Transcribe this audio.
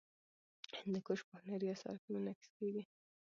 هندوکش په هنري اثارو کې منعکس کېږي.